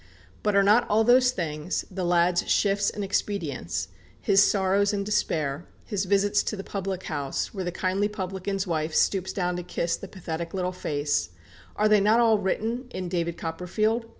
But are not all these things, the lad's shifts and expedients, his sorrows and despair, his visits to the public house, where the kindly publican's wife stoops down to kiss the pathetic little face are they not all written in "David Copperfield"?